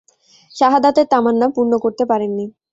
শাহাদাতের তামান্না পূর্ণ করতে পারেননি।